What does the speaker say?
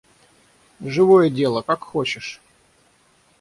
Живое дело, как хочешь!